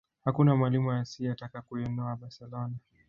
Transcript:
hakuna mwalimu asiyetaka kuinoa barcelona